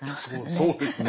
そうですね。